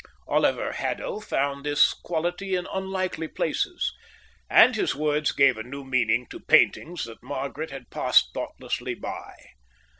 Oliver Haddo found this quality in unlikely places, and his words gave a new meaning to paintings that Margaret had passed thoughtlessly by.